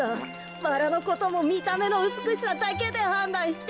バラのこともみためのうつくしさだけではんだんして。